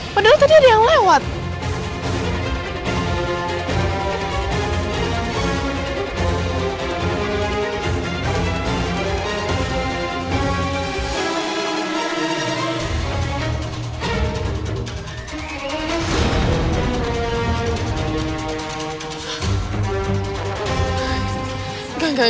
padahal tadi gue lihat ada orang